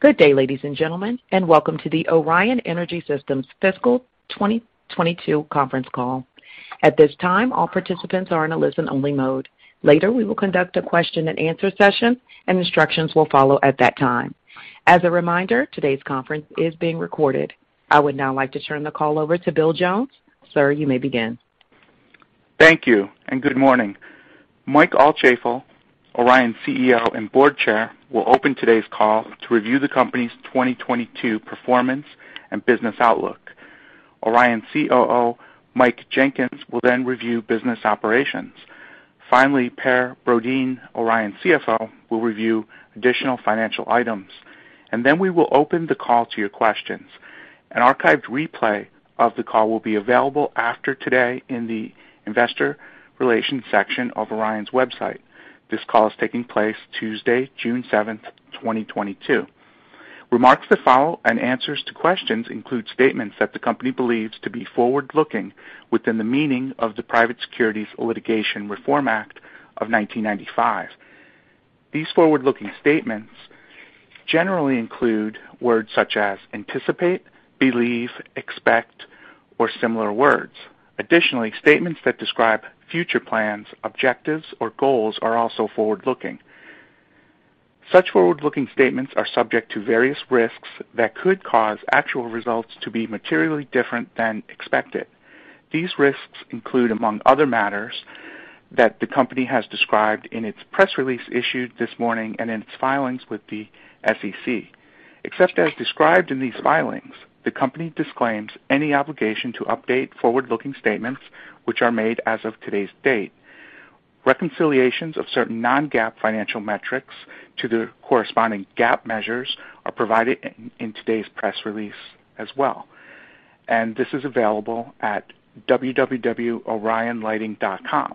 Good day, ladies and gentlemen, and welcome to the Orion Energy Systems Fiscal 2022 conference call. At this time, all participants are in a listen-only mode. Later, we will conduct a question-and-answer session, and instructions will follow at that time. As a reminder, today's conference is being recorded. I would now like to turn the call over to Bill Jones. Sir, you may begin. Thank you and good morning. Mike Altschaefl, Orion CEO and Board Chair, will open today's call to review the company's 2022 performance and business outlook. Orion COO, Mike Jenkins, will then review business operations. Finally, Per Brodin, Orion CFO, will review additional financial items. Then we will open the call to your questions. An archived replay of the call will be available after today in the investor relations section of Orion's website. This call is taking place Tuesday, June 7, 2022. Remarks that follow and answers to questions include statements that the company believes to be forward-looking within the meaning of the Private Securities Litigation Reform Act of 1995. These forward-looking statements generally include words such as anticipate, believe, expect, or similar words. Additionally, statements that describe future plans, objectives, or goals are also forward-looking. Such forward-looking statements are subject to various risks that could cause actual results to be materially different than expected. These risks include, among other matters, that the company has described in its press release issued this morning and in its filings with the SEC. Except as described in these filings, the company disclaims any obligation to update forward-looking statements which are made as of today's date. Reconciliations of certain non-GAAP financial metrics to the corresponding GAAP measures are provided in today's press release as well. This is available at www.orionlighting.com.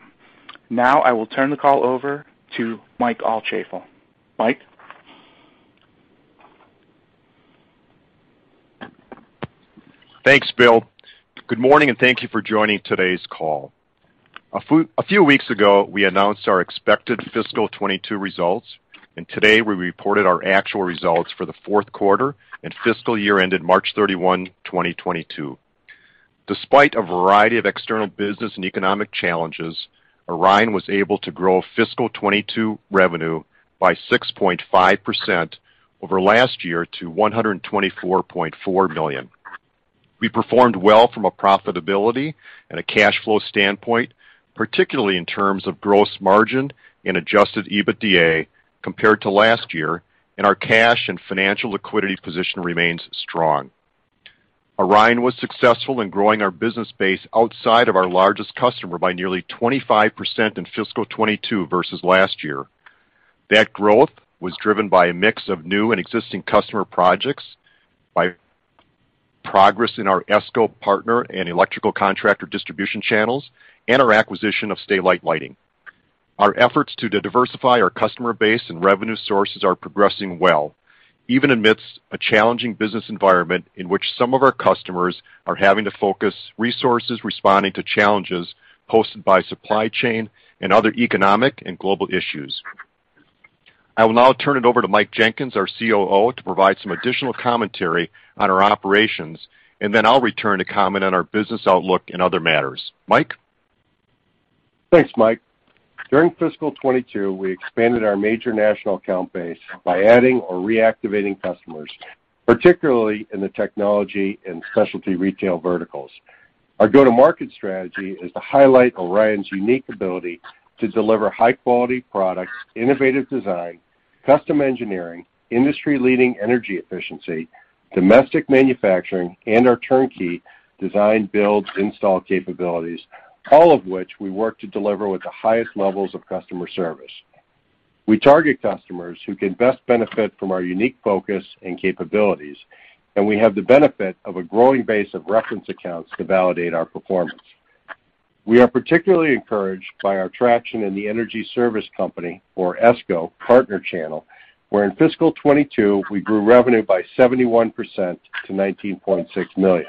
Now I will turn the call over to Mike Altschaefl. Mike? Thanks, Bill. Good morning, and thank you for joining today's call. A few weeks ago, we announced our expected fiscal 2022 results, and today we reported our actual results for the fourth quarter and fiscal year ended March 31, 2022. Despite a variety of external business and economic challenges, Orion was able to grow fiscal 2022 revenue by 6.5% over last year to $124.4 million. We performed well from a profitability and a cash flow standpoint, particularly in terms of gross margin and adjusted EBITDA compared to last year, and our cash and financial liquidity position remains strong. Orion was successful in growing our business base outside of our largest customer by nearly 25% in fiscal 2022 versus last year. That growth was driven by a mix of new and existing customer projects, by progress in our ESCO partner and electrical contractor distribution channels, and our acquisition of Stay-Lite Lighting. Our efforts to diversify our customer base and revenue sources are progressing well, even amidst a challenging business environment in which some of our customers are having to focus resources responding to challenges posted by supply chain and other economic and global issues. I will now turn it over to Mike Jenkins, our COO, to provide some additional commentary on our operations, and then I'll return to comment on our business outlook and other matters. Mike? Thanks, Mike. During fiscal 2022, we expanded our major national account base by adding or reactivating customers, particularly in the technology and specialty retail verticals. Our go-to-market strategy is to highlight Orion's unique ability to deliver high-quality products, innovative design, custom engineering, industry-leading energy efficiency, domestic manufacturing, and our turnkey design, build, install capabilities, all of which we work to deliver with the highest levels of customer service. We target customers who can best benefit from our unique focus and capabilities, and we have the benefit of a growing base of reference accounts to validate our performance. We are particularly encouraged by our traction in the energy service company, or ESCO, partner channel, where in fiscal 2022, we grew revenue by 71% to $19.6 million.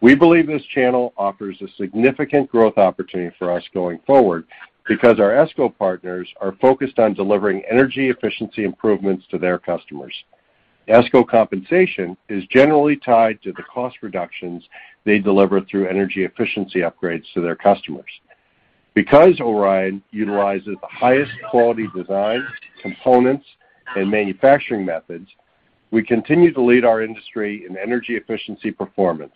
We believe this channel offers a significant growth opportunity for us going forward because our ESCO partners are focused on delivering energy efficiency improvements to their customers. ESCO compensation is generally tied to the cost reductions they deliver through energy efficiency upgrades to their customers. Because Orion utilizes the highest quality designs, components, and manufacturing methods, we continue to lead our industry in energy efficiency performance,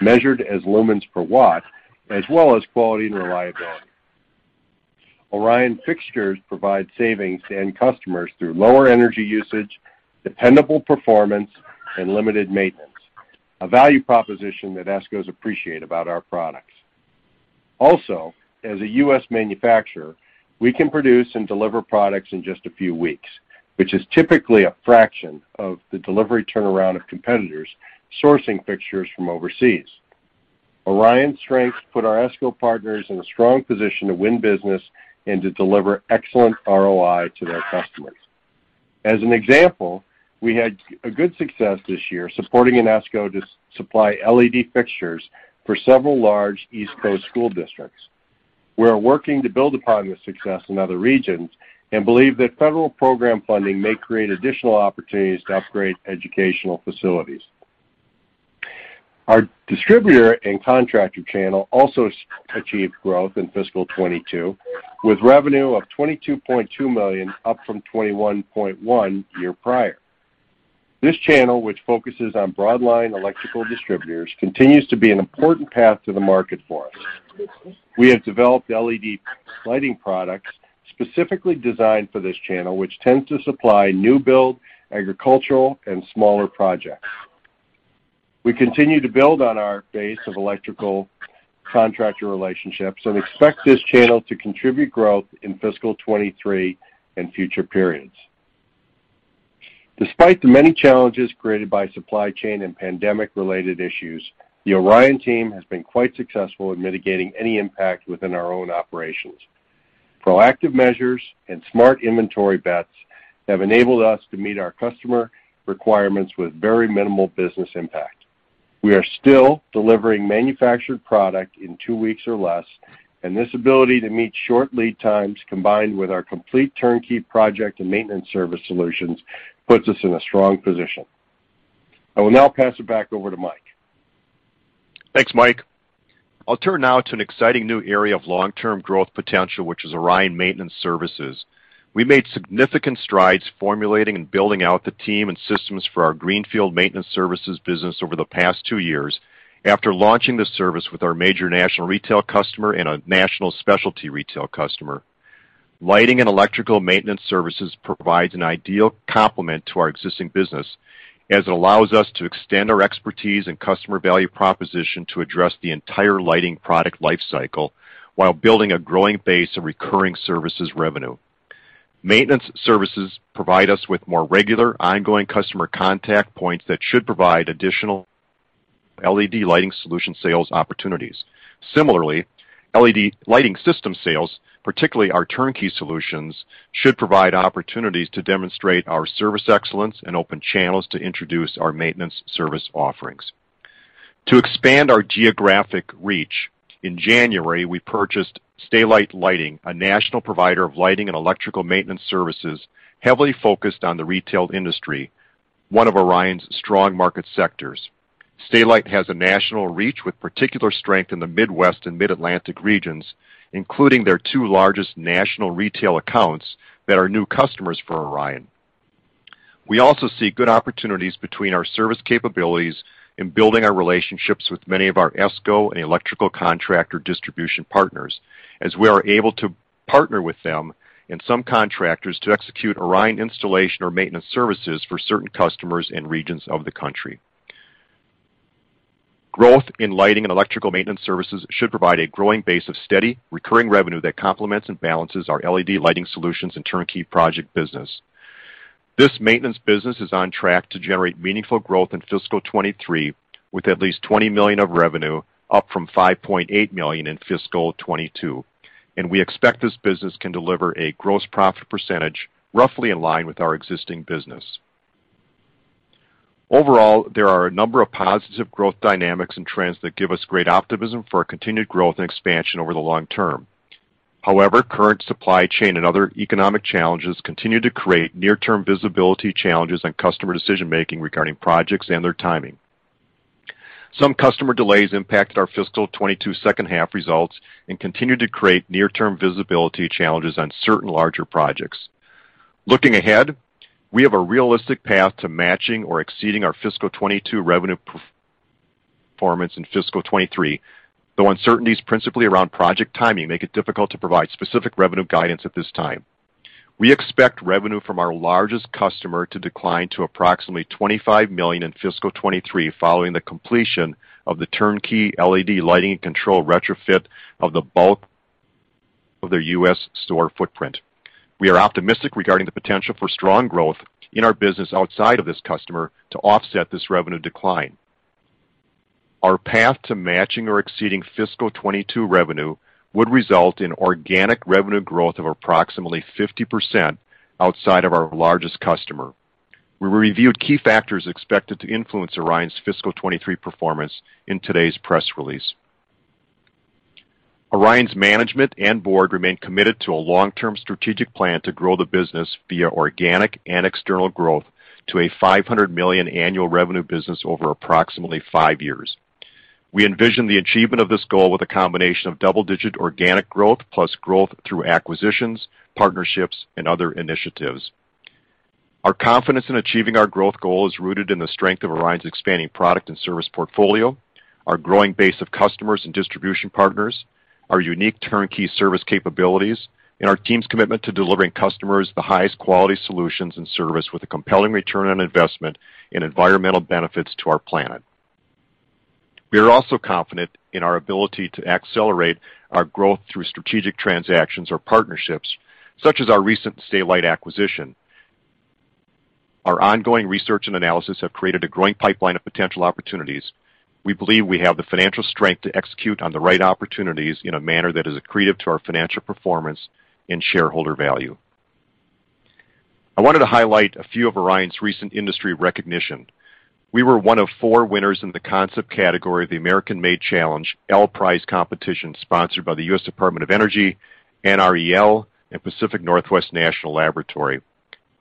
measured as lumens per watt, as well as quality and reliability. Orion fixtures provide savings to end customers through lower energy usage, dependable performance, and limited maintenance, a value proposition that ESCOs appreciate about our products. Also, as a U.S. manufacturer, we can produce and deliver products in just a few weeks, which is typically a fraction of the delivery turnaround of competitors sourcing fixtures from overseas. Orion's strengths put our ESCO partners in a strong position to win business and to deliver excellent ROI to their customers. As an example, we had a good success this year supporting an ESCO to supply LED fixtures for several large East Coast school districts. We are working to build upon this success in other regions and believe that federal program funding may create additional opportunities to upgrade educational facilities. Our distributor and contractor channel also achieved growth in fiscal 2022, with revenue of $22.2 million, up from $21.1 million year prior. This channel, which focuses on broad line electrical distributors, continues to be an important path to the market for us. We have developed LED lighting products specifically designed for this channel, which tends to supply new build, agricultural, and smaller projects. We continue to build on our base of electrical contractor relationships and expect this channel to contribute growth in fiscal 2023 and future periods. Despite the many challenges created by supply chain and pandemic-related issues, the Orion team has been quite successful in mitigating any impact within our own operations. Proactive measures and smart inventory bets have enabled us to meet our customer requirements with very minimal business impact. We are still delivering manufactured product in two weeks or less, and this ability to meet short lead times, combined with our complete turnkey project and maintenance service solutions, puts us in a strong position. I will now pass it back over to Mike. Thanks, Mike. I'll turn now to an exciting new area of long-term growth potential, which is Orion Maintenance Services. We made significant strides formulating and building out the team and systems for our greenfield maintenance services business over the past two years after launching the service with our major national retail customer and a national specialty retail customer. Lighting and electrical maintenance services provides an ideal complement to our existing business, as it allows us to extend our expertise and customer value proposition to address the entire lighting product life cycle while building a growing base of recurring services revenue. Maintenance services provide us with more regular, ongoing customer contact points that should provide additional LED lighting solution sales opportunities. Similarly, LED lighting system sales, particularly our turnkey solutions, should provide opportunities to demonstrate our service excellence and open channels to introduce our maintenance service offerings. To expand our geographic reach, in January, we purchased Stay-Lite Lighting, a national provider of lighting and electrical maintenance services heavily focused on the retail industry, one of Orion's strong market sectors. Stay-Lite has a national reach with particular strength in the Midwest and Mid-Atlantic regions, including their two largest national retail accounts that are new customers for Orion. We also see good opportunities between our service capabilities in building our relationships with many of our ESCO and electrical contractor distribution partners, as we are able to partner with them and some contractors to execute Orion installation or maintenance services for certain customers and regions of the country. Growth in lighting and electrical maintenance services should provide a growing base of steady, recurring revenue that complements and balances our LED lighting solutions and turnkey project business. This maintenance business is on track to generate meaningful growth in fiscal 2023, with at least $20 million of revenue, up from $5.8 million in fiscal 2022. We expect this business can deliver a gross profit percentage roughly in line with our existing business. Overall, there are a number of positive growth dynamics and trends that give us great optimism for continued growth and expansion over the long term. However, current supply chain and other economic challenges continue to create near-term visibility challenges on customer decision-making regarding projects and their timing. Some customer delays impacted our fiscal 2022 second half results and continued to create near-term visibility challenges on certain larger projects. Looking ahead, we have a realistic path to matching or exceeding our fiscal 2022 revenue performance in fiscal 2023, though uncertainties principally around project timing make it difficult to provide specific revenue guidance at this time. We expect revenue from our largest customer to decline to approximately $25 million in fiscal 2023 following the completion of the turnkey LED lighting and control retrofit of the bulk of their U.S. store footprint. We are optimistic regarding the potential for strong growth in our business outside of this customer to offset this revenue decline. Our path to matching or exceeding fiscal 2022 revenue would result in organic revenue growth of approximately 50% outside of our largest customer. We reviewed key factors expected to influence Orion's fiscal 2023 performance in today's press release. Orion's management and board remain committed to a long-term strategic plan to grow the business via organic and external growth to a $500 million annual revenue business over approximately five years. We envision the achievement of this goal with a combination of double-digit organic growth plus growth through acquisitions, partnerships, and other initiatives. Our confidence in achieving our growth goal is rooted in the strength of Orion's expanding product and service portfolio, our growing base of customers and distribution partners, our unique turnkey service capabilities, and our team's commitment to delivering customers the highest quality solutions and service with a compelling return on investment and environmental benefits to our planet. We are also confident in our ability to accelerate our growth through strategic transactions or partnerships, such as our recent Stay-Lite acquisition. Our ongoing research and analysis have created a growing pipeline of potential opportunities. We believe we have the financial strength to execute on the right opportunities in a manner that is accretive to our financial performance and shareholder value. I wanted to highlight a few of Orion's recent industry recognition. We were one of four winners in the concept category of the American-Made Challenge L-Prize competition, sponsored by the U.S. Department of Energy, NREL, and Pacific Northwest National Laboratory.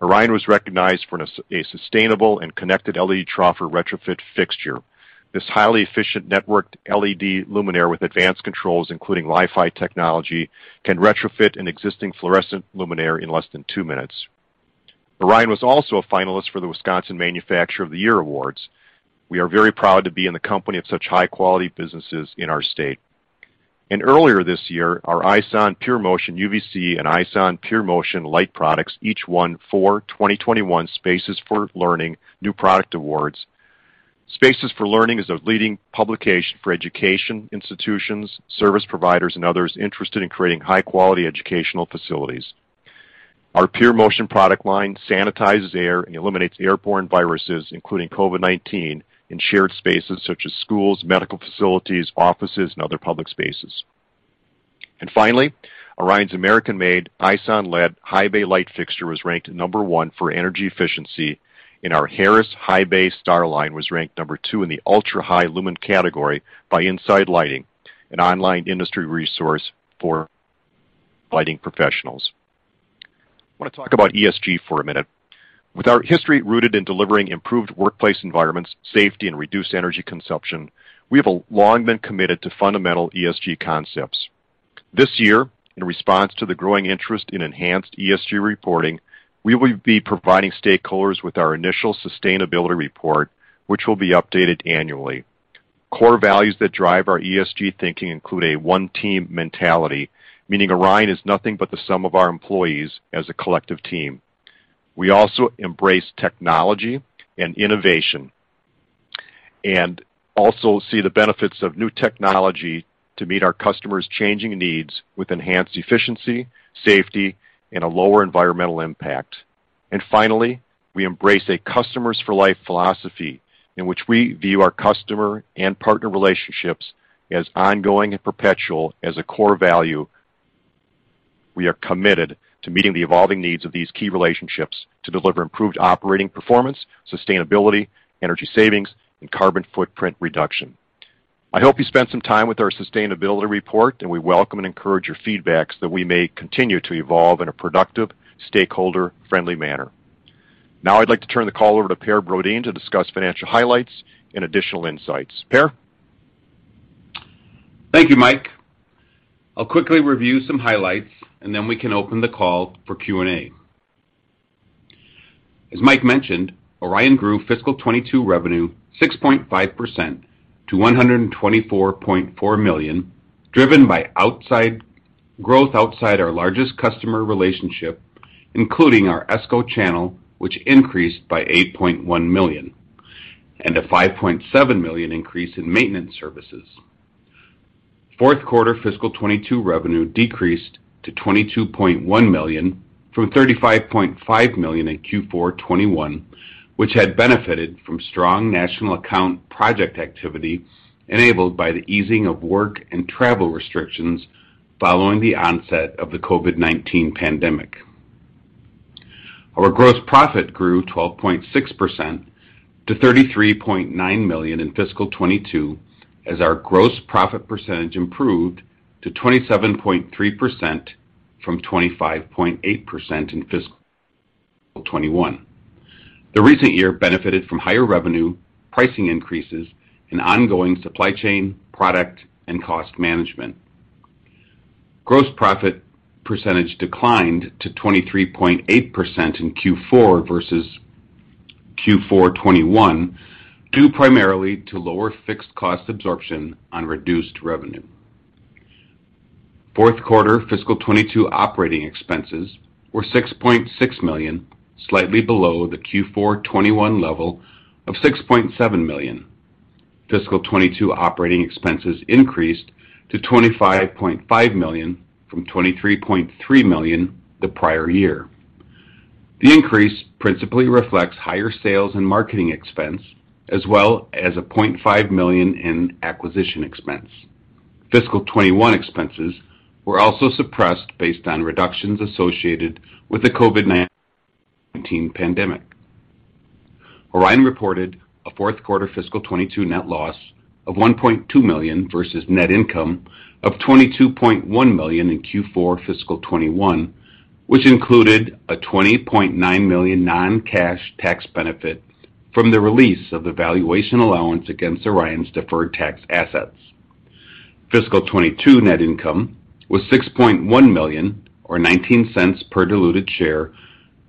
Orion was recognized for a sustainable and connected LED troffer retrofit fixture. This highly efficient networked LED luminaire with advanced controls, including Wi-Fi technology, can retrofit an existing fluorescent luminaire in less than two minutes. Orion was also a finalist for the Wisconsin Manufacturer of the Year awards. We are very proud to be in the company of such high-quality businesses in our state. Earlier this year, our ISON PureMotion UVC and ISON PureMotion light products each won 2021 Spaces4Learning New Product Awards. Spaces4Learning is a leading publication for education institutions, service providers, and others interested in creating high-quality educational facilities. Our PureMotion product line sanitizes air and eliminates airborne viruses, including COVID-19, in shared spaces such as schools, medical facilities, offices, and other public spaces. Finally, Orion's American-made ISON LED high bay light fixture was ranked number one for energy efficiency, and our Harris High Bay Star Line was ranked number two in the ultra-high lumen category by Inside Lighting, an online industry resource for lighting professionals. I want to talk about ESG for a minute. With our history rooted in delivering improved workplace environments, safety, and reduced energy consumption, we have long been committed to fundamental ESG concepts. This year, in response to the growing interest in enhanced ESG reporting, we will be providing stakeholders with our initial sustainability report, which will be updated annually. Core values that drive our ESG thinking include a one-team mentality, meaning Orion is nothing but the sum of our employees as a collective team. We also embrace technology and innovation and also see the benefits of new technology to meet our customers' changing needs with enhanced efficiency, safety, and a lower environmental impact. We embrace a customers for life philosophy in which we view our customer and partner relationships as ongoing and perpetual as a core value. We are committed to meeting the evolving needs of these key relationships to deliver improved operating performance, sustainability, energy savings, and carbon footprint reduction. I hope you spend some time with our sustainability report, and we welcome and encourage your feedback so that we may continue to evolve in a productive, stakeholder-friendly manner. Now I'd like to turn the call over to Per Brodin to discuss financial highlights and additional insights. Per? Thank you, Mike. I'll quickly review some highlights, and then we can open the call for Q&A. As Mike mentioned, Orion grew fiscal 2022 revenue 6.5% to $124.4 million, driven by growth outside our largest customer relationship, including our ESCO channel, which increased by $8.1 million, and a $5.7 million increase in maintenance services. Fourth quarter fiscal 2022 revenue decreased to $22.1 million from $35.5 million in Q4 2021, which had benefited from strong national account project activity enabled by the easing of work and travel restrictions following the onset of the COVID-19 pandemic. Our gross profit grew 12.6% to $33.9 million in fiscal 2022, as our gross profit percentage improved to 27.3% from 25.8% in fiscal 2021. The recent year benefited from higher revenue, pricing increases, and ongoing supply chain, product, and cost management. Gross profit percentage declined to 23.8% in Q4 versus Q4 2021, due primarily to lower fixed cost absorption on reduced revenue. Fourth quarter fiscal 2022 operating expenses were $6.6 million, slightly below the Q4 2021 level of $6.7 million. Fiscal 2022 operating expenses increased to $25.5 million from $23.3 million the prior year. The increase principally reflects higher sales and marketing expense as well as a $0.5 million in acquisition expense. Fiscal 2021 expenses were also suppressed based on reductions associated with the COVID-19 pandemic. Orion reported a fourth quarter fiscal 2022 net loss of $1.2 million versus net income of $22.1 million in Q4 fiscal 2021, which included a $20.9 million non-cash tax benefit from the release of the valuation allowance against Orion's deferred tax assets. Fiscal 2022 net income was $6.1 million or $0.19 per diluted share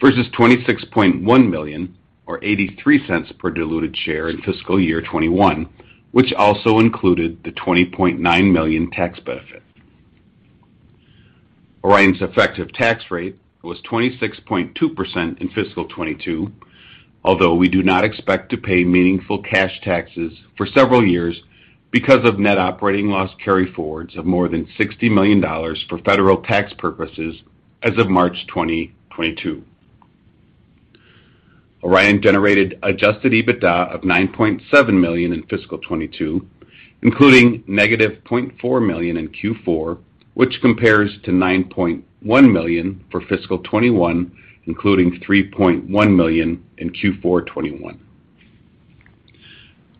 versus $26.1 million or $0.83 per diluted share in fiscal year 2021, which also included the $20.9 million tax benefit. Orion's effective tax rate was 26.2% in fiscal 2022, although we do not expect to pay meaningful cash taxes for several years because of net operating loss carryforwards of more than $60 million for federal tax purposes as of March 2022. Orion generated adjusted EBITDA of $9.7 million in fiscal 2022, including -$0.4 million in Q4, which compares to $9.1 million for fiscal 2021, including $3.1 million in Q4 2021.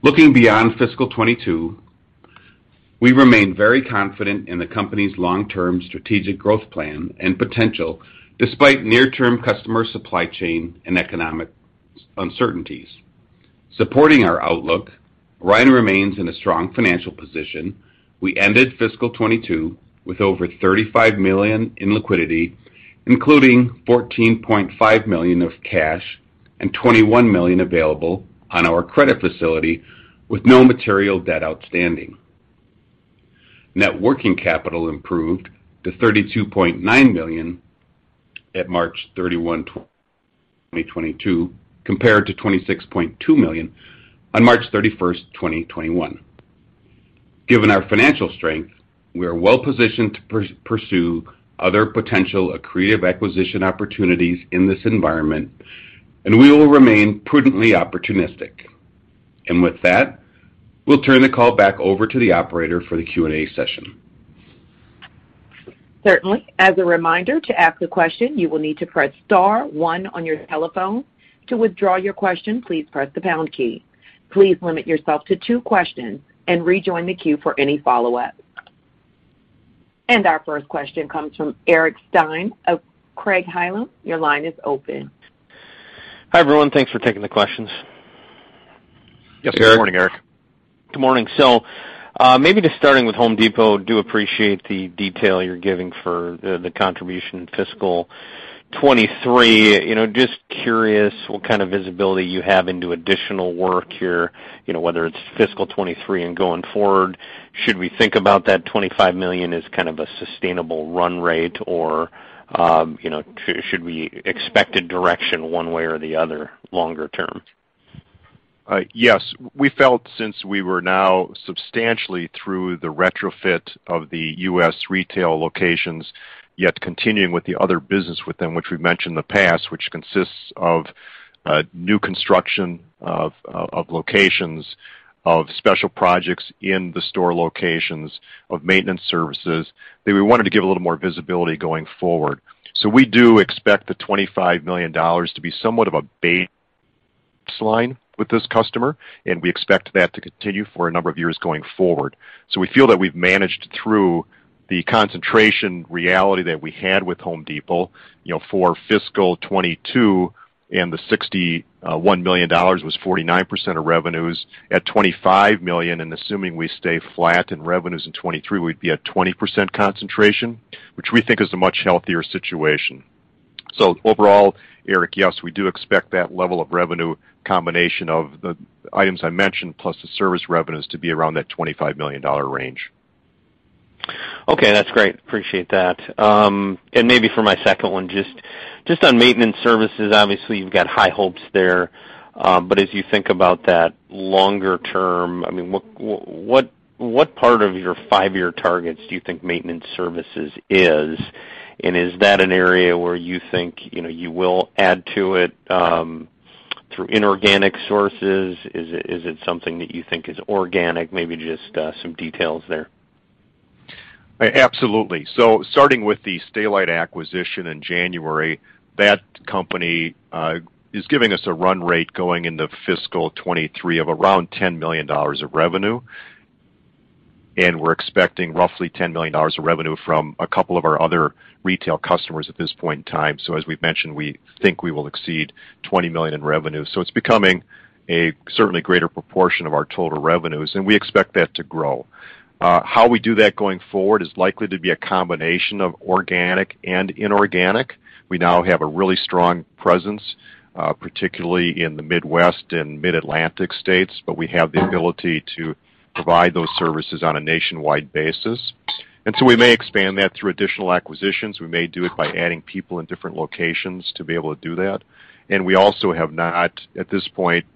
Looking beyond fiscal 2022, we remain very confident in the company's long-term strategic growth plan and potential despite near-term customer supply chain and economic uncertainties. Supporting our outlook, Orion remains in a strong financial position. We ended fiscal 2022 with over $35 million in liquidity, including $14.5 million of cash and $21 million available on our credit facility with no material debt outstanding. Net working capital improved to $32.9 million at March 31, 2022 compared to $26.2 million on March 31, 2021. Given our financial strength, we are well positioned to pursue other potential accretive acquisition opportunities in this environment, and we will remain prudently opportunistic. With that, we'll turn the call back over to the operator for the Q&A session. Certainly. As a reminder, to ask a question, you will need to press star one on your telephone. To withdraw your question, please press the pound key. Please limit yourself to two questions and rejoin the queue for any follow-up. Our first question comes from Eric Stine of Craig-Hallum. Your line is open. Hi, everyone. Thanks for taking the questions. Yes, Eric. Good morning, Eric. Good morning. Maybe just starting with Home Depot, do appreciate the detail you're giving for the contribution in fiscal 2023. You know, just curious what kind of visibility you have into additional work here, you know, whether it's fiscal 2023 and going forward, should we think about that $25 million as kind of a sustainable run rate? Or, you know, should we expect a direction one way or the other longer term? Yes. We felt since we were now substantially through the retrofit of the U.S. retail locations, yet continuing with the other business with them, which we've mentioned in the past, which consists of new construction of locations, of special projects in the store locations, of maintenance services, that we wanted to give a little more visibility going forward. We do expect the $25 million to be somewhat of a baseline with this customer, and we expect that to continue for a number of years going forward. We feel that we've managed through the concentration reality that we had with Home Depot, you know, for fiscal 2022, and the $61 million was 49% of revenues. At $25 million, and assuming we stay flat in revenues in 2023, we'd be at 20% concentration, which we think is a much healthier situation. Overall, Eric, yes, we do expect that level of revenue combination of the items I mentioned plus the service revenues to be around that $25 million range. Okay, that's great. Appreciate that. Maybe for my second one, just on maintenance services, obviously you've got high hopes there. As you think about that longer term, I mean, what part of your five-year targets do you think maintenance services is? Is that an area where you think, you know, you will add to it, through inorganic sources? Is it something that you think is organic? Maybe just some details there. Absolutely. Starting with the Stay-Lite acquisition in January, that company is giving us a run rate going into fiscal 2023 of around $10 million of revenue, and we're expecting roughly $10 million of revenue from a couple of our other retail customers at this point in time. As we've mentioned, we think we will exceed $20 million in revenue. It's becoming a certainly greater proportion of our total revenues, and we expect that to grow. How we do that going forward is likely to be a combination of organic and inorganic. We now have a really strong presence, particularly in the Midwest and Mid-Atlantic states, but we have the ability to provide those services on a nationwide basis. We may expand that through additional acquisitions. We may do it by adding people in different locations to be able to do that. We also have not, at this point,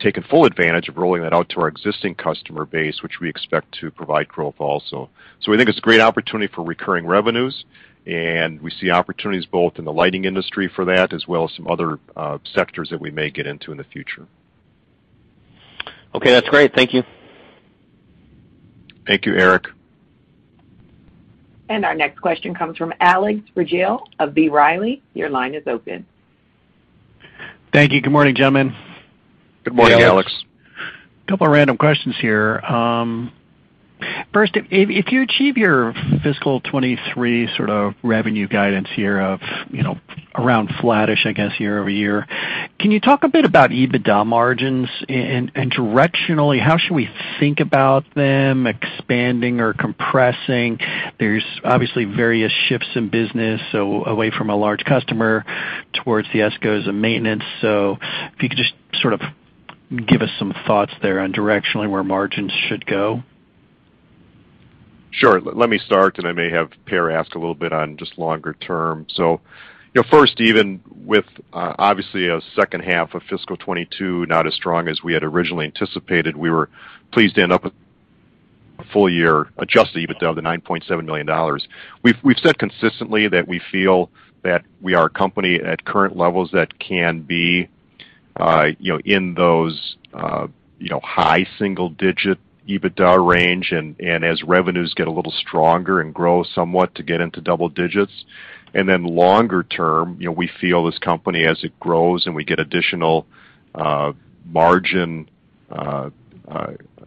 taken full advantage of rolling that out to our existing customer base, which we expect to provide growth also. We think it's a great opportunity for recurring revenues, and we see opportunities both in the lighting industry for that as well as some other sectors that we may get into in the future. Okay, that's great. Thank you. Thank you, Eric. Our next question comes from Alex Rygiel of B. Riley. Your line is open. Thank you. Good morning, gentlemen. Good morning, Alex. Good morning. Couple of random questions here. First, if you achieve your fiscal 2023 sort of revenue guidance here of, you know, around flattish, I guess, year-over-year, can you talk a bit about EBITDA margins? Directionally, how should we think about them expanding or compressing? There's obviously various shifts in business, so away from a large customer towards the ESCOs and maintenance. If you could just sort of give us some thoughts there on directionally where margins should go. Sure. Let me start, and I may have Per ask a little bit on just longer term. You know, first, even with obviously a second half of fiscal 2022 not as strong as we had originally anticipated, we were pleased to end up with full year adjusted EBITDA of $9.7 million. We've said consistently that we feel that we are a company at current levels that can be, you know, in those, you know, high single digit EBITDA range. As revenues get a little stronger and grow somewhat to get into double digits. Longer-term, you know, we feel this company as it grows and we get additional margin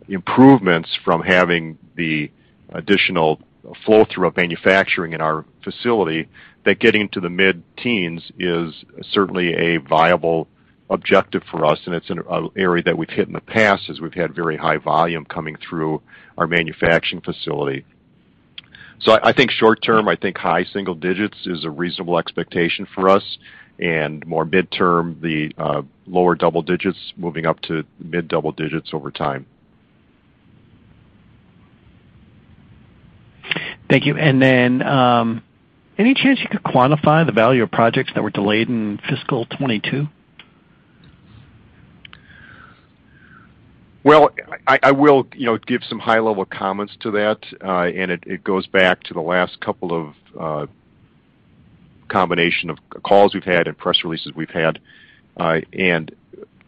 improvements from having the additional flow-through of manufacturing in our facility, that getting to the mid-teens% is certainly a viable objective for us, and it's an area that we've hit in the past as we've had very high volume coming through our manufacturing facility. I think short term, I think high single digits percentage is a reasonable expectation for us, and more mid-term, the lower double digits percentage moving up to mid-double digits percentage over time. Thank you. Any chance you could quantify the value of projects that were delayed in fiscal 22? Well, I will, you know, give some high-level comments to that, and it goes back to the last couple of combination of calls we've had and press releases we've had.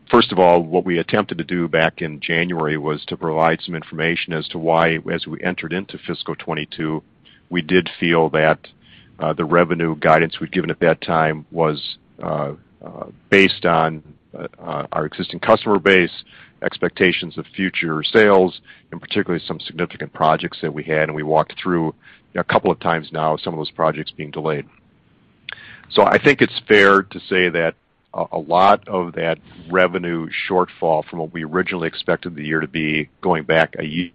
First of all, what we attempted to do back in January was to provide some information as to why, as we entered into fiscal 2022, we did feel that the revenue guidance we'd given at that time was based on our existing customer base, expectations of future sales, and particularly some significant projects that we had. We walked through, you know, a couple of times now, some of those projects being delayed. I think it's fair to say that a lot of that revenue shortfall from what we originally expected the year to be going back a year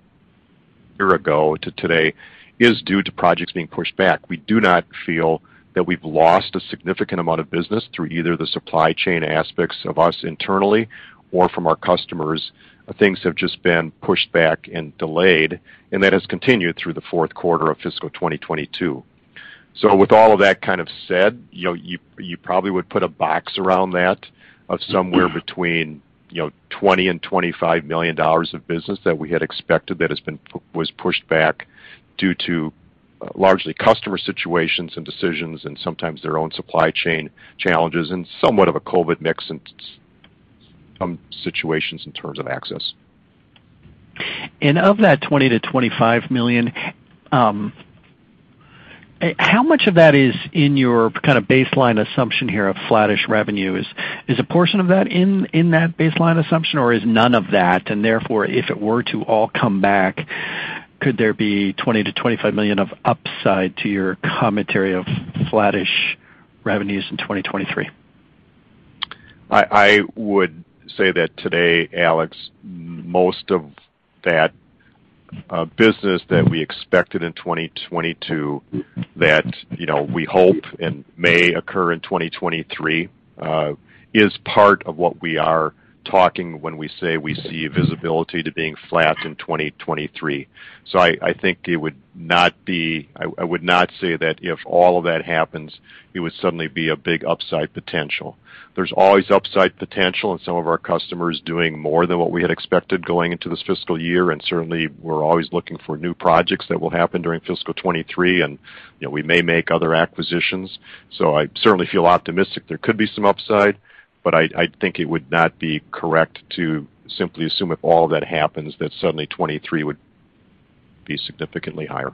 ago to today is due to projects being pushed back. We do not feel that we've lost a significant amount of business through either the supply chain aspects of us internally or from our customers. Things have just been pushed back and delayed, and that has continued through the fourth quarter of fiscal 2022. With all of that kind of said, you know, you probably would put a box around that of somewhere between, you know, $20 million and $25 million of business that we had expected that was pushed back due to largely customer situations and decisions and sometimes their own supply chain challenges and somewhat of a COVID mix and some situations in terms of access. Of that $20 million-$25 million, how much of that is in your kind of baseline assumption here of flattish revenues? Is a portion of that in that baseline assumption, or is none of that, and therefore, if it were to all come back, could there be $20 million-$25 million of upside to your commentary of flattish revenues in 2023? I would say that today, Alex, most of that business that we expected in 2022 that, you know, we hope and may occur in 2023, is part of what we are talking when we say we see visibility to being flat in 2023. I think it would not be. I would not say that if all of that happens, it would suddenly be a big upside potential. There's always upside potential in some of our customers doing more than what we had expected going into this fiscal year, and certainly we're always looking for new projects that will happen during fiscal 2023 and, you know, we may make other acquisitions. I certainly feel optimistic there could be some upside, but I'd think it would not be correct to simply assume if all that happens, that suddenly 2023 would be significantly higher.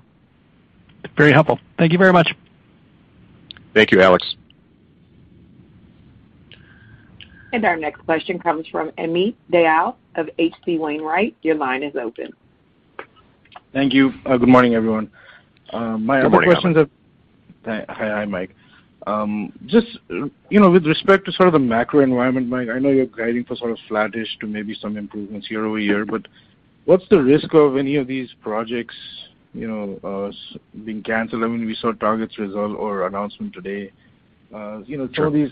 Very helpful. Thank you very much. Thank you, Alex. Our next question comes from Amit Dayal of H.C. Wainwright. Your line is open. Thank you. Good morning, everyone. My other questions are. Good morning. Hi. Hi, Mike. Just, you know, with respect to sort of the macro environment, Mike, I know you're guiding for sort of flattish to maybe some improvements year-over-year, but what's the risk of any of these projects, you know, being canceled? I mean, we saw Target's result or announcement today. Sure. Some of these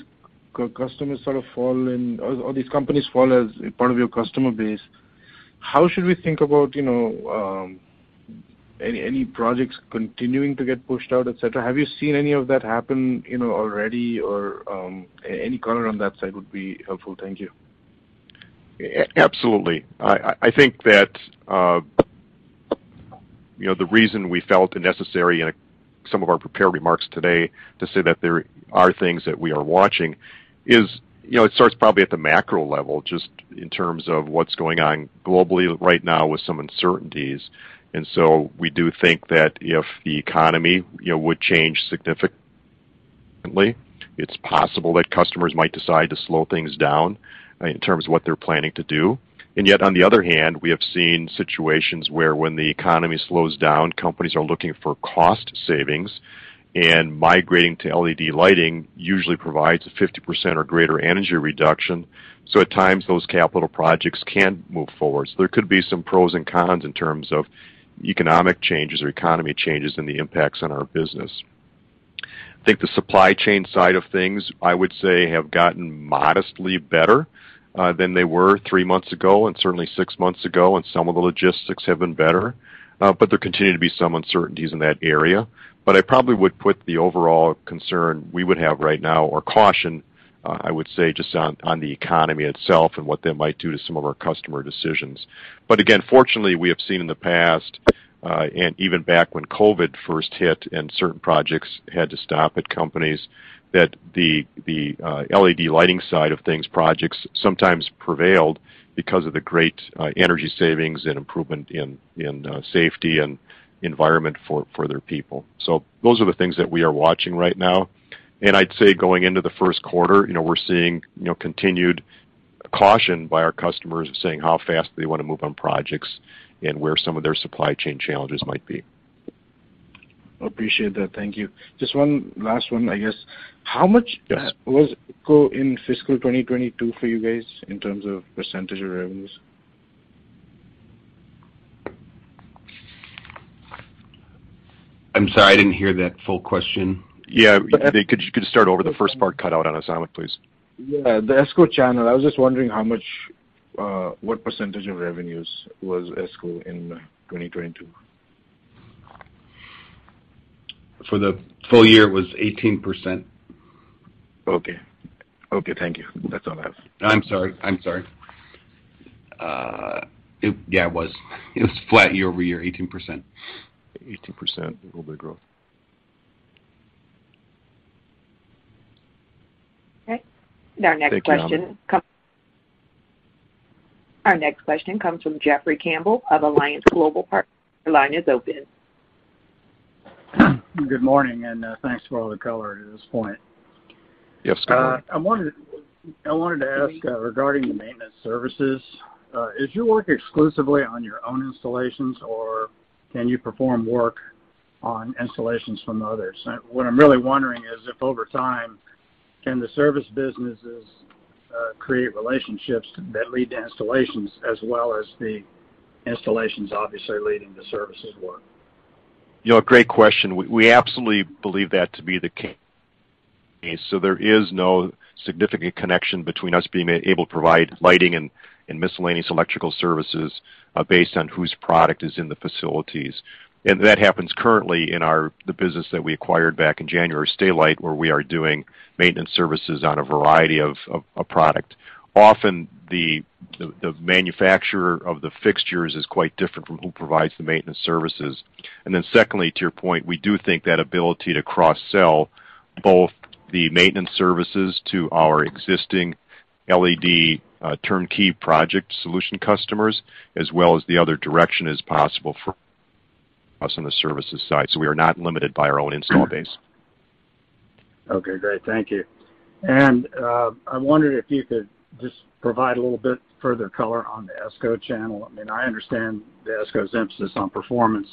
customers sort of fall in, or these companies fall as part of your customer base. How should we think about, you know, any projects continuing to get pushed out, et cetera? Have you seen any of that happen, you know, already? Any color on that side would be helpful. Thank you. Absolutely. I think that, you know, the reason we felt it necessary in some of our prepared remarks today to say that there are things that we are watching is, you know, it starts probably at the macro level, just in terms of what's going on globally right now with some uncertainties. We do think that if the economy, you know, would change significantly, it's possible that customers might decide to slow things down in terms of what they're planning to do. Yet, on the other hand, we have seen situations where when the economy slows down, companies are looking for cost savings, and migrating to LED lighting usually provides a 50% or greater energy reduction. At times, those capital projects can move forward. There could be some pros and cons in terms of economic changes or economy changes and the impacts on our business. I think the supply chain side of things, I would say, have gotten modestly better than they were three months ago and certainly six months ago, and some of the logistics have been better. There continue to be some uncertainties in that area. I probably would put the overall concern we would have right now or caution, I would say just on the economy itself and what that might do to some of our customer decisions. Again, fortunately, we have seen in the past, and even back when COVID first hit and certain projects had to stop at companies. That the LED lighting side of things, projects sometimes prevailed because of the great energy savings and improvement in safety and environment for their people. Those are the things that we are watching right now. I'd say going into the first quarter, you know, we're seeing, you know, continued caution by our customers saying how fast they wanna move on projects and where some of their supply chain challenges might be. Appreciate that. Thank you. Just one last one, I guess. Yes. How much was growth in fiscal 2022 for you guys in terms of % of revenues? I'm sorry, I didn't hear that full question. Yeah. If you could start over? The first part cut out on us, Amit, please. Yeah, the ESCO channel. I was just wondering how much, what percentage of revenues was ESCO in 2022. For the full year, it was 18%. Okay, thank you. That's all I have. I'm sorry. Yeah, it was. It was flat year-over-year, 18%. 18% will be growth. Okay. Thank you, Amit. Our next question comes from Jeffrey Campbell of Alliance Global Partners. Your line is open. Good morning, and thanks for all the color to this point. Yes, go ahead. I wanted to ask, regarding the maintenance services, is your work exclusively on your own installations, or can you perform work on installations from others? What I'm really wondering is, if over time, can the service businesses create relationships that lead to installations as well as the installations obviously leading to services work? You know, great question. We absolutely believe that to be the case. There is no significant connection between us being able to provide lighting and miscellaneous electrical services based on whose product is in the facilities. That happens currently in the business that we acquired back in January, Stay-Lite, where we are doing maintenance services on a variety of a product. Often, the manufacturer of the fixtures is quite different from who provides the maintenance services. Secondly, to your point, we do think that ability to cross-sell both the maintenance services to our existing LED turnkey project solution customers, as well as the other direction is possible for us on the services side. We are not limited by our own install base. Okay, great. Thank you. I wondered if you could just provide a little bit further color on the ESCO channel. I mean, I understand the ESCO's emphasis on performance.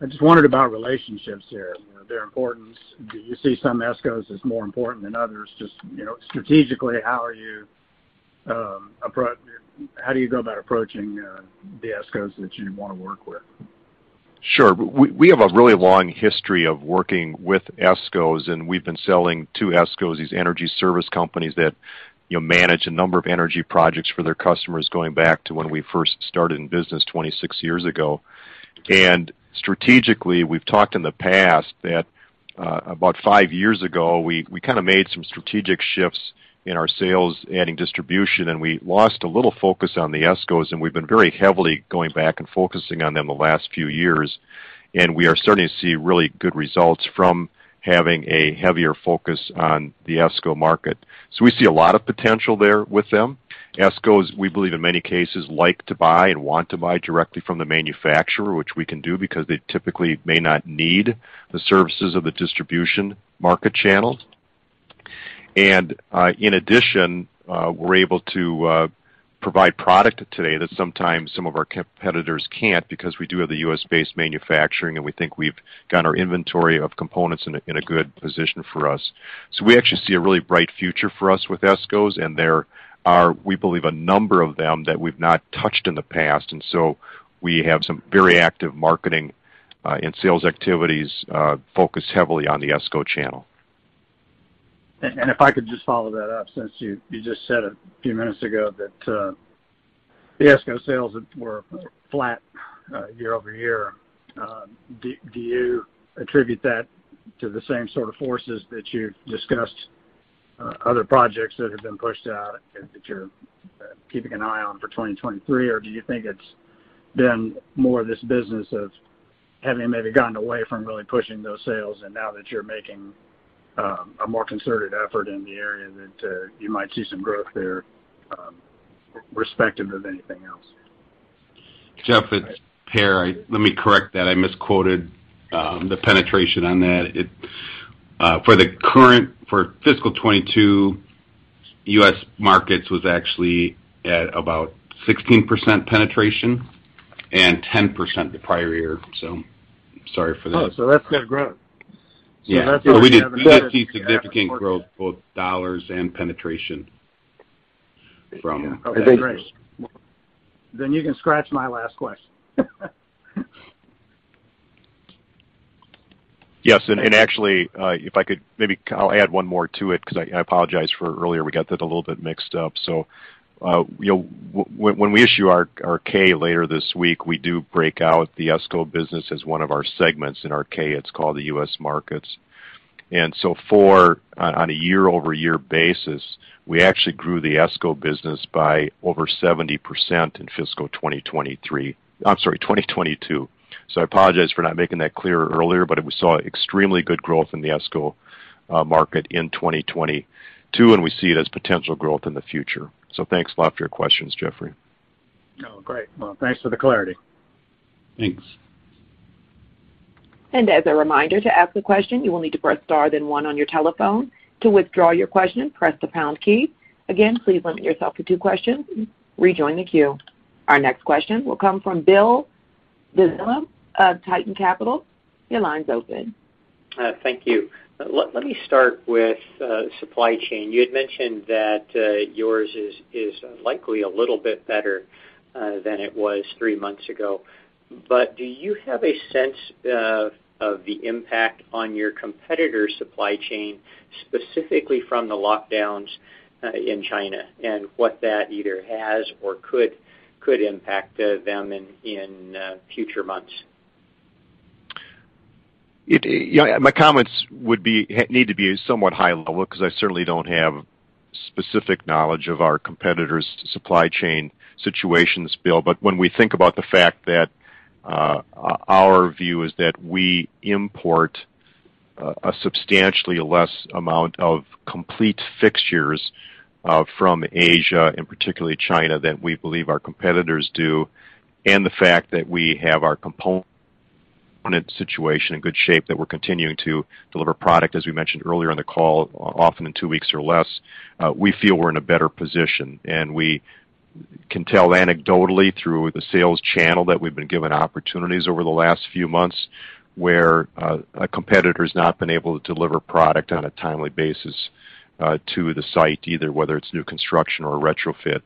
I just wondered about relationships here, you know, their importance. Do you see some ESCOs as more important than others? Just, you know, strategically, how do you go about approaching the ESCOs that you wanna work with? Sure. We have a really long history of working with ESCOs, and we've been selling to ESCOs, these energy service companies that, you know, manage a number of energy projects for their customers going back to when we first started in business 26 years ago. Strategically, we've talked in the past that about five years ago, we kinda made some strategic shifts in our sales, adding distribution, and we lost a little focus on the ESCOs, and we've been very heavily going back and focusing on them the last few years. We are starting to see really good results from having a heavier focus on the ESCO market. We see a lot of potential there with them. ESCOs, we believe in many cases, like to buy and want to buy directly from the manufacturer, which we can do because they typically may not need the services of the distribution market channels. In addition, we're able to provide product today that sometimes some of our competitors can't because we do have the U.S.-based manufacturing, and we think we've got our inventory of components in a good position for us. We actually see a really bright future for us with ESCOs, and there are, we believe, a number of them that we've not touched in the past. We have some very active marketing and sales activities focused heavily on the ESCO channel. If I could just follow that up, since you just said a few minutes ago that the ESCO sales were flat year-over-year. Do you attribute that to the same sort of forces that you've discussed, other projects that have been pushed out that you're keeping an eye on for 2023? Or do you think it's been more of this business of having maybe gotten away from really pushing those sales and now that you're making a more concerted effort in the area that you might see some growth there, irrespective of anything else? Jeff, it's Per. Let me correct that. I misquoted the penetration on that. For fiscal 2022, U.S. Markets was actually at about 16% penetration and 10% the prior year. Sorry for that. Oh, that's good growth. Yeah. We did see significant growth, both dollars and penetration from. Okay, great. You can scratch my last question. Yes, actually, if I could—maybe I'll add one more to it 'cause I apologize for earlier, we got that a little bit mixed up. You know, when we issue our K later this week, we do break out the ESCO business as one of our segments in our K. It's called the U.S. Markets. On a year-over-year basis, we actually grew the ESCO business by over 70% in fiscal 2023. I'm sorry, 2022. I apologize for not making that clear earlier, but we saw extremely good growth in the ESCO market in 2022, and we see it as potential growth in the future. Thanks a lot for your questions, Jeffrey. Oh, great. Well, thanks for the clarity. Thanks. As a reminder, to ask a question, you will need to press Star then one on your telephone. To withdraw your question, press the pound key. Again, please limit yourself to two questions. Rejoin the queue. Our next question will come from Bill Zima of Titan Capital. Your line's open. Thank you. Let me start with supply chain. You had mentioned that yours is likely a little bit better than it was three months ago. Do you have a sense of the impact on your competitor's supply chain, specifically from the lockdowns in China and what that either has or could impact them in future months? Yeah, my comments need to be somewhat high level because I certainly don't have specific knowledge of our competitors' supply chain situations, Bill. When we think about the fact that our view is that we import a substantially less amount of complete fixtures from Asia and particularly China than we believe our competitors do, and the fact that we have our component situation in good shape, that we're continuing to deliver product, as we mentioned earlier in the call, often in two weeks or less, we feel we're in a better position. We can tell anecdotally through the sales channel that we've been given opportunities over the last few months, where a competitor's not been able to deliver product on a timely basis to the site, either whether it's new construction or a retrofit.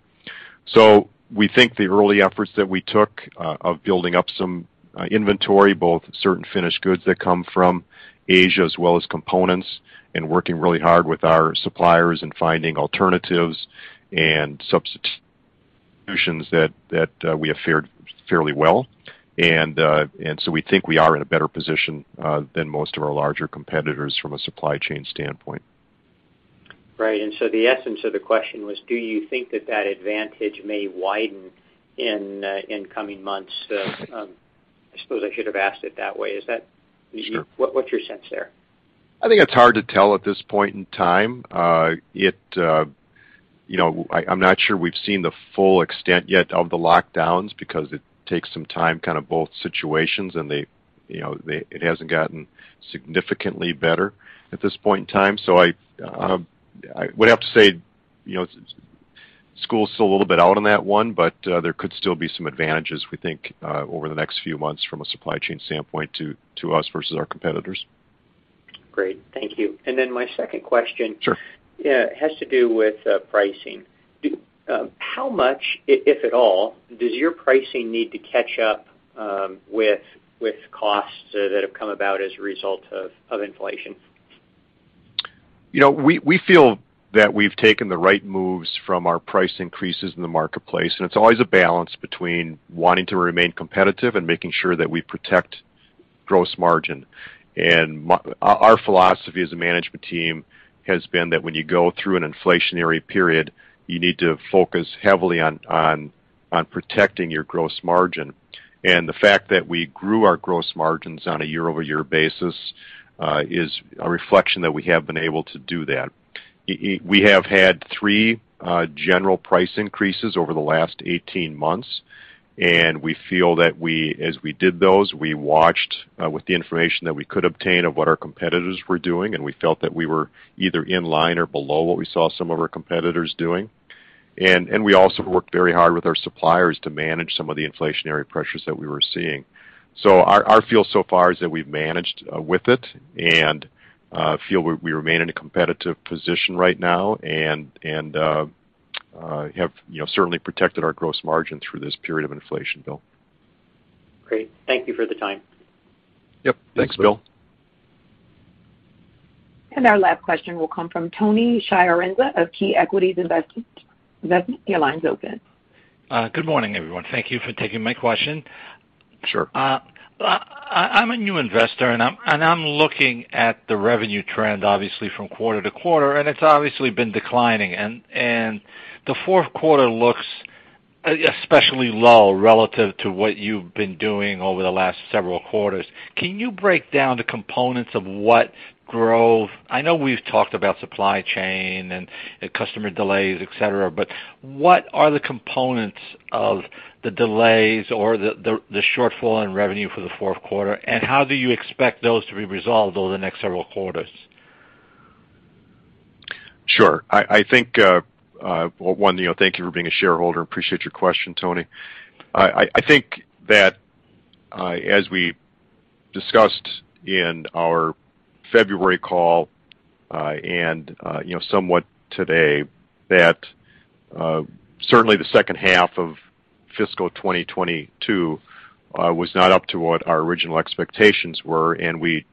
We think the early efforts that we took of building up some inventory, both certain finished goods that come from Asia as well as components, and working really hard with our suppliers in finding alternatives and substitutions that we have fared fairly well. We think we are in a better position than most of our larger competitors from a supply chain standpoint. Right. The essence of the question was, do you think that advantage may widen in coming months? I suppose I should have asked it that way. Sure. What's your sense there? I think it's hard to tell at this point in time. I'm not sure we've seen the full extent yet of the lockdowns because it takes some time, kind of both situations, and it hasn't gotten significantly better at this point in time. I would have to say, you know, the jury's still a little bit out on that one, but there could still be some advantages, we think, over the next few months from a supply chain standpoint to us versus our competitors. Great. Thank you. My second question has to do with pricing. How much, if at all, does your pricing need to catch up with costs that have come about as a result of inflation? You know, we feel that we've taken the right moves from our price increases in the marketplace, and it's always a balance between wanting to remain competitive and making sure that we protect gross margin. Our philosophy as a management team has been that when you go through an inflationary period, you need to focus heavily on protecting your gross margin. The fact that we grew our gross margins on a year-over-year basis is a reflection that we have been able to do that. We have had three general price increases over the last 18 months, and we feel that as we did those, we watched with the information that we could obtain of what our competitors were doing, and we felt that we were either in line or below what we saw some of our competitors doing. We also worked very hard with our suppliers to manage some of the inflationary pressures that we were seeing. Our feel so far is that we've managed with it and feel we remain in a competitive position right now and have, you know, certainly protected our gross margin through this period of inflation, Bill. Great. Thank you for the time. Yep. Thanks, Bill. Our last question will come from Tony Kamin of Key Equities Investment. Your line's open. Good morning, everyone. Thank you for taking my question. Sure. I'm a new investor, and I'm looking at the revenue trend, obviously from quarter to quarter, and it's obviously been declining. The fourth quarter looks especially low relative to what you've been doing over the last several quarters. Can you break down the components of what drove. I know we've talked about supply chain and customer delays, et cetera, but what are the components of the delays or the shortfall in revenue for the fourth quarter, and how do you expect those to be resolved over the next several quarters? Sure. I think, well, one, you know, thank you for being a shareholder. Appreciate your question, Tony. I think that, as we discussed in our February call, and, you know, somewhat today, that, certainly the second half of fiscal 2022, was not up to what our original expectations were, and we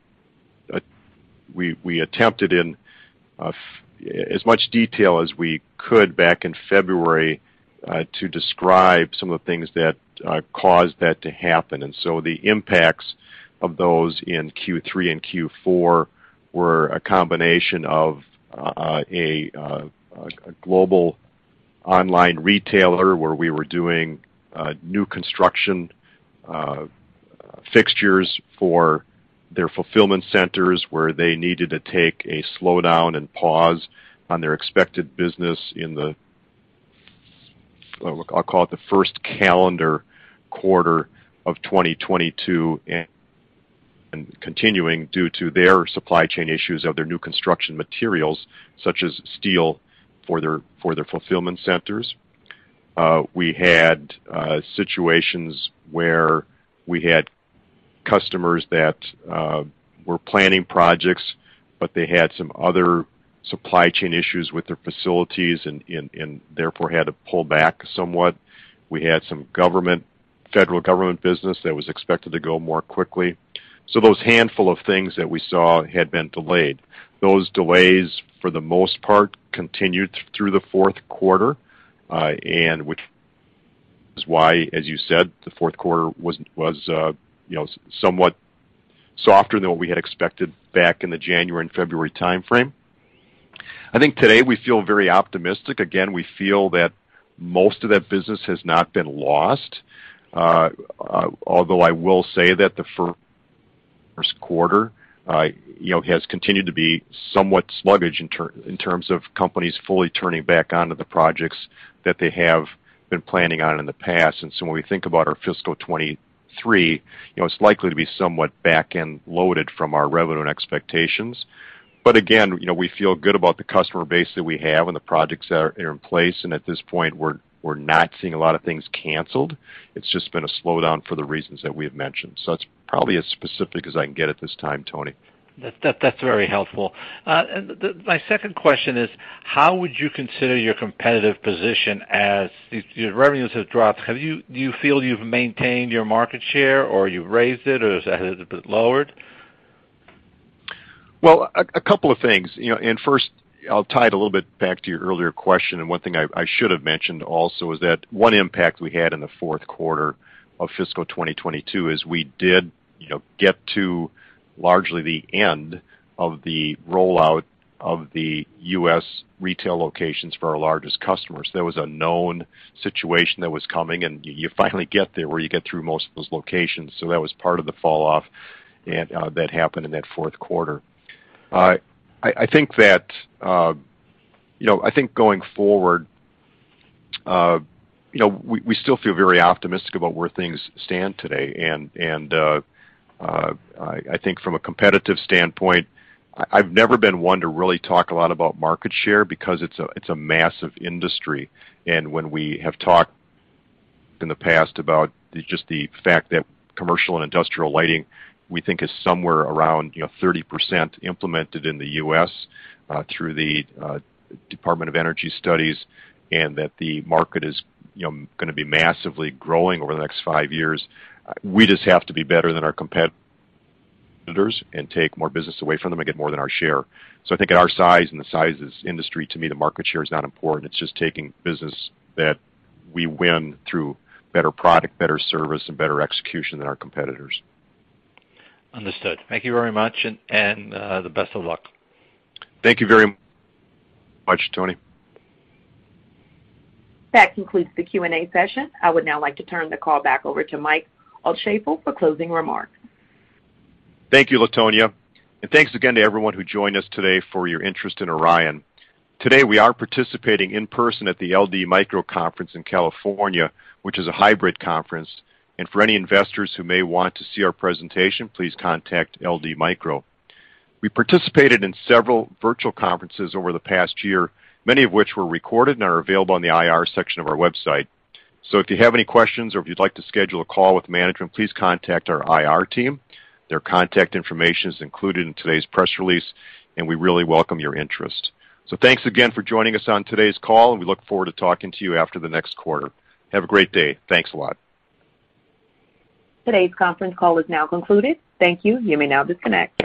attempted in, as much detail as we could back in February, to describe some of the things that, caused that to happen. The impacts of those in Q3 and Q4 were a combination of a global online retailer where we were doing new construction fixtures for their fulfillment centers, where they needed to take a slowdown and pause on their expected business in the, I'll call it the first calendar quarter of 2022 and continuing due to their supply chain issues of their new construction materials, such as steel for their fulfillment centers. We had situations where we had customers that were planning projects, but they had some other supply chain issues with their facilities and therefore had to pull back somewhat. We had some federal government business that was expected to go more quickly. Those handful of things that we saw had been delayed. Those delays, for the most part, continued through the fourth quarter, and which is why, as you said, the fourth quarter was, you know, somewhat softer than what we had expected back in the January and February timeframe. I think today we feel very optimistic. Again, we feel that most of that business has not been lost. Although I will say that the first quarter, you know, has continued to be somewhat sluggish in terms of companies fully turning back on to the projects that they have been planning on in the past. When we think about our fiscal 2023, you know, it's likely to be somewhat back-end loaded from our revenue and expectations. Again, you know, we feel good about the customer base that we have and the projects that are in place. At this point, we're not seeing a lot of things canceled. It's just been a slowdown for the reasons that we have mentioned. That's probably as specific as I can get at this time, Tony. That's very helpful. My second question is, how would you consider your competitive position as your revenues have dropped? Do you feel you've maintained your market share or you've raised it or has it lowered? Well, a couple of things, you know, and first, I'll tie it a little bit back to your earlier question. One thing I should have mentioned also is that one impact we had in the fourth quarter of fiscal 2022 is we did, you know, get to largely the end of the rollout of the U.S. retail locations for our largest customers. There was a known situation that was coming, and you finally get there, where you get through most of those locations. That was part of the falloff, and that happened in that fourth quarter. I think that, you know, I think going forward, you know, we still feel very optimistic about where things stand today. I think from a competitive standpoint, I've never been one to really talk a lot about market share because it's a massive industry. When we have talked in the past about just the fact that commercial and industrial lighting, we think is somewhere around, you know, 30% implemented in the U.S., through the Department of Energy studies, and that the market is, you know, gonna be massively growing over the next five years. We just have to be better than our competitors and take more business away from them and get more than our share. I think at our size and the size of this industry, to me, the market share is not important. It's just taking business that we win through better product, better service, and better execution than our competitors. Understood. Thank you very much and the best of luck. Thank you very much, Tony. That concludes the Q&A session. I would now like to turn the call back over to Mike Altschaefl for closing remarks. Thank you, Latonia. Thanks again to everyone who joined us today for your interest in Orion. Today, we are participating in person at the LD Micro conference in California, which is a hybrid conference. For any investors who may want to see our presentation, please contact LD Micro. We participated in several virtual conferences over the past year, many of which were recorded and are available on the IR section of our website. If you have any questions or if you'd like to schedule a call with management, please contact our IR team. Their contact information is included in today's press release, and we really welcome your interest. Thanks again for joining us on today's call, and we look forward to talking to you after the next quarter. Have a great day. Thanks a lot. Today's conference call is now concluded. Thank you. You may now disconnect.